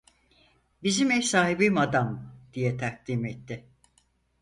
Bizim ev sahibi madam!" diye takdim etti.